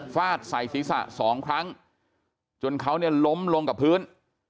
ฟาดใส่ศีรษะสองครั้งจนเขาเนี่ยล้มลงกับพื้น